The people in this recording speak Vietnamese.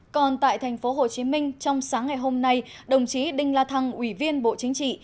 còn tại tp hcm trong sáng ngày hôm nay đồng chí đinh la thăng ủy viên bộ chính trị